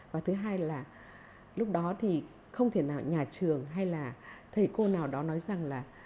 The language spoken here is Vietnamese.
và thứ hai là lúc đó thì không thể nào nhà trường hay là thầy cô nào đó nói rằng là